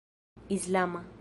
islama